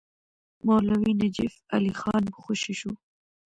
مولوي نجف علي خان خوشي شو.